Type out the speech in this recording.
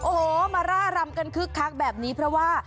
โอ้โหมาร่ารำกันคึกคักแบบนี้เพราะว่า